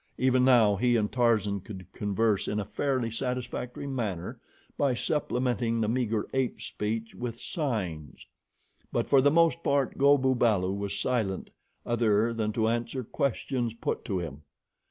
Even now he and Tarzan could converse in a fairly satisfactory manner by supplementing the meager ape speech with signs; but for the most part, Go bu balu was silent other than to answer questions put to him.